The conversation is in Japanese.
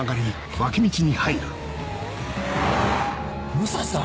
武蔵さん！